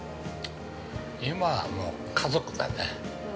◆今は、もう家族だね。